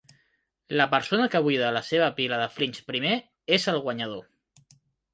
La persona que buida la seva pila de Flinch primer és el guanyador.